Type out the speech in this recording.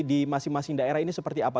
di masing masing daerah ini seperti apa